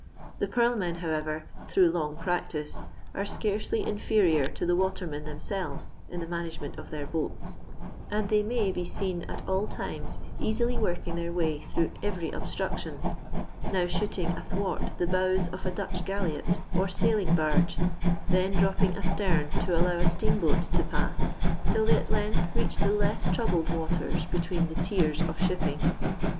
The purl men, however, through long practice, are scarcely inferior to the watermen thentsclves in the management of their boats ; and they may be seen at all times easily working their way through every obstruction, now shooting athwart the bows of a Dutch galliot or sailing bargo, then dropping astern to allow a steam boat to pass till they nt length reach the loss troubled waters between the tiers of shipping.